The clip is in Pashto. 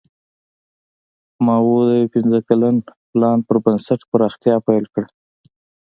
ماوو د یو پنځه کلن پلان پر بنسټ پراختیا پیل کړه.